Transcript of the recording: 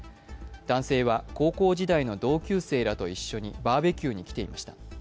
男性は高校時代の同級生らと一緒にバーベキューに来ていました。